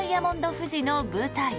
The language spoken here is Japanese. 富士の舞台